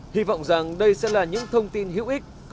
hy vọng rằng đây sẽ là những thông tin hữu ích